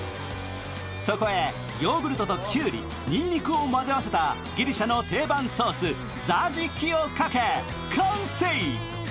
そこへヨーグルトときゅうり、にんにくを混ぜ合わせたギリシャの定番ソース、ザジキをかけ完成。